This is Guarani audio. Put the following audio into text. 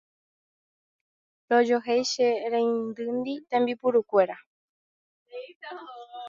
rojohéi che reindyndi tembipurukuéra